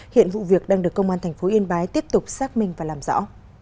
hiện vụ việc đang được công an tp yên bái tiếp tục xác minh và làm rõ